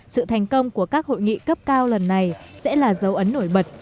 sự thành công của các hội nghị cấp cao lần này sẽ là dấu ấn nổi bật